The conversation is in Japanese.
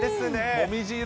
もみじ色。